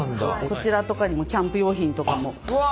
こちらとかにもキャンプ用品とかも。